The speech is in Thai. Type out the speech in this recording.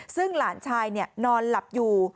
ซึ่งหลานชายนอนหลับอยู่